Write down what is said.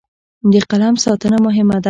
د قلم ساتنه مهمه ده.